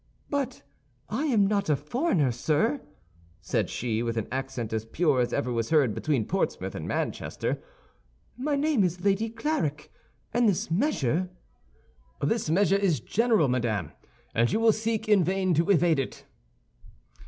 "But I am not a foreigner, sir," said she, with an accent as pure as ever was heard between Portsmouth and Manchester; "my name is Lady Clarik, and this measure—" "This measure is general, madame; and you will seek in vain to evade it."